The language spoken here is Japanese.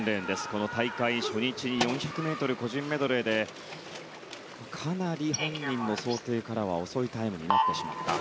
この大会初日に４００ｍ個人メドレーでかなり本人の想定からは遅いタイムになってしまった。